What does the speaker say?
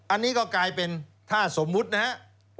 อันนี้ก็กลายเป็นถ้าสมมุตินะครับ